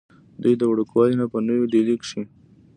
دوي د وړوکوالي نه پۀ نوي ډيلي کښې